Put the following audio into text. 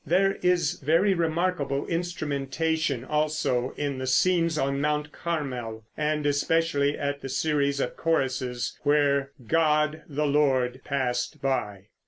There is very remarkable instrumentation, also in the scenes on Mt. Carmel, and especially at the series of choruses where "God, the Lord, Passed By."